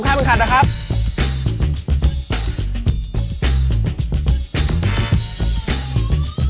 อย่าลืมข้าวมันขัดนะครับ